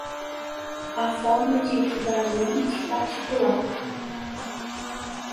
A forma de equivalente particular